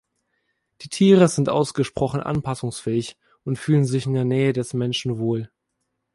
Die Tiere sind ausgesprochen anpassungsfähig und fühlen sich in der Nähe des Menschen wohl.